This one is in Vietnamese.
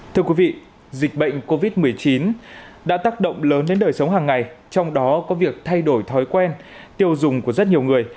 thưa quý vị dịch bệnh covid một mươi chín đã tác động lớn đến đời sống hàng ngày trong đó có việc thay đổi thói quen tiêu dùng của rất nhiều người